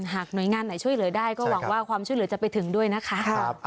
หน่วยงานไหนช่วยเหลือได้ก็หวังว่าความช่วยเหลือจะไปถึงด้วยนะคะ